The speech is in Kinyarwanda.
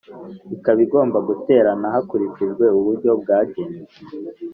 ikaba igomba guterana hakurikijwe uburyo bwagenwe